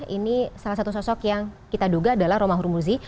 ini salah satu sosok yang kita duga adalah romahur muzi